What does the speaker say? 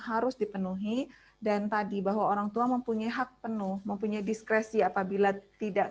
harus dipenuhi dan tadi bahwa orang tua mempunyai hak penuh mempunyai diskresi apabila tidak